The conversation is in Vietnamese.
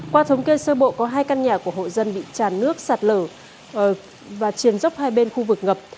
qua thống kê sơ bộ có hai căn nhà của hộ dân bị tràn nước sạt lở và triển dốc hai bên khu vực ngập